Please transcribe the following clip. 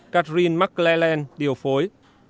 catherine mclellan điều phối